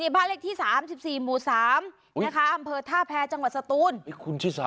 บ้านเลขที่๓๔หมู่๓อำเภอท่าแพรจังหวัดสตูน